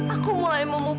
aku mulai memungkinkan